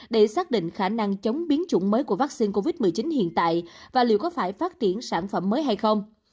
để xác định khả năng chống biến chủng mới của vaccine covid một mươi chín hiện tại và liệu có phải phát triển sản phẩm mới hay không